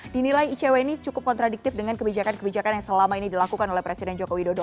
dinilai icw ini cukup kontradiktif dengan kebijakan kebijakan yang selama ini dilakukan oleh presiden joko widodo